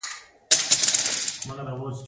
ماسټري او دوکتورا څېړونکي شته دي.